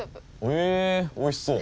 へえおいしそう！